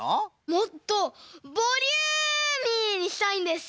もっとボリューミーにしたいんです！